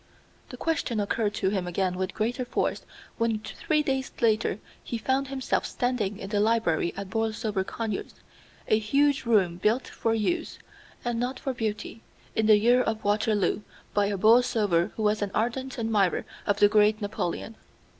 The question occurred to him again with greater force when three days later he found himself standing in the library at Borlsover Conyers, a huge room built for use, and not for beauty, in the year of Waterloo by a Borlsover who was an ardent admirer of the great Napoleon.